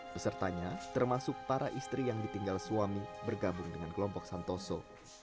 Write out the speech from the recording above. pesertanya termasuk para istri yang ditinggal suami bergabung dengan kelompok santoso